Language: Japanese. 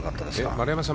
丸山さん